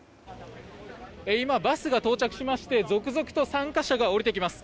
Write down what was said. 今、バスが到着しまして続々と参加者が降りてきます。